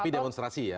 tapi demonstrasi ya